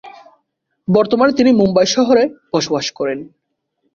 বর্তমানে তিনি মুম্বাই শহরে বাস করেন।